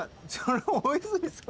大泉さん。